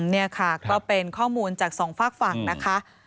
นี่ค่ะก็เป็นข้อมูลจากสองฝากฝั่งนะคะ